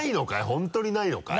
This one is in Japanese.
本当にないのかい？